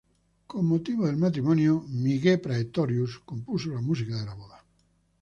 Con motivo del matrimonio Michael Praetorius compuso la música de la boda.